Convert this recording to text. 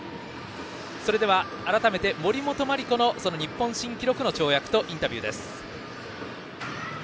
それでは、改めて森本麻里子の日本新記録の跳躍とインタビューです。